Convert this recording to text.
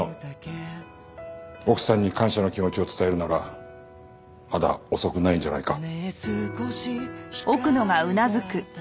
奥さんに感謝の気持ちを伝えるならまだ遅くないんじゃないか？